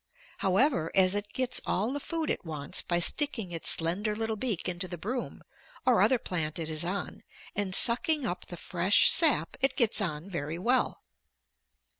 However, as it gets all the food it wants by sticking its slender little beak into the broom or other plant it is on and sucking up the fresh sap, it gets on very well."